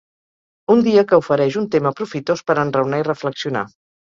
Un dia que ofereix un tema profitós per enraonar i reflexionar